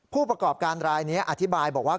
ผู้ประกอบการรายนี้อธิบายบอกว่า